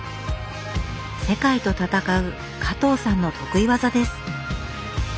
世界と戦う加藤さんの得意技です！